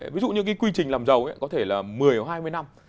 ví dụ như quy trình làm giàu có thể là một mươi hoặc hai mươi năm